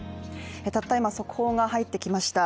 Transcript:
たった今速報が入ってきました。